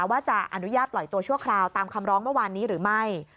ว่าจะอนุญาตปล่อยตัวชั่วคราวตามคำร้องเมื่อวานนี้หรือไม่